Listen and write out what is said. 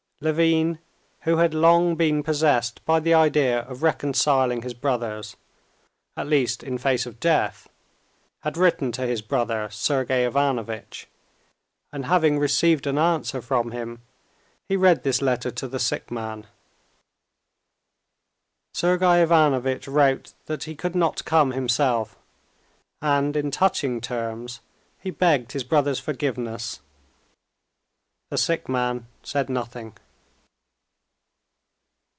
Levin, who had long been possessed by the idea of reconciling his brothers, at least in face of death, had written to his brother, Sergey Ivanovitch, and having received an answer from him, he read this letter to the sick man. Sergey Ivanovitch wrote that he could not come himself, and in touching terms he begged his brother's forgiveness. The sick man said nothing.